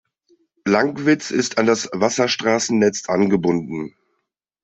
Lankwitz ist an das Wasserstraßennetz angebunden.